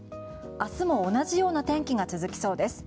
明日も同じような天気が続きそうです。